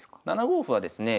７五歩はですね